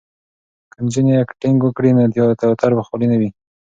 که نجونې اکټینګ وکړي نو تیاتر به خالي نه وي.